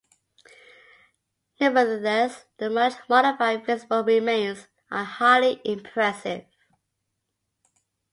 Nevertheless, the much-modified visible remains are highly impressive.